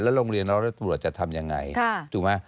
แล้วโรงเรียนแล้วตรวจจะทำยังไงถูกไหม